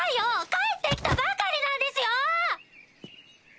帰って来たばかりなんですよ！